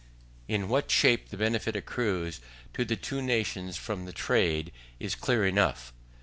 In what shape the benefit accrues to the two nations from the trade, is clear enough.